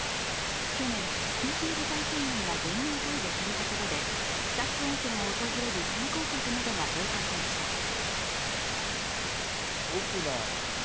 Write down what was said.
去年、緊急事態宣言が全面解除されたことで草津温泉を訪れる観光客などが増加しました。